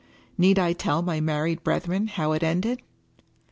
Need I tell my married brethren how it ended?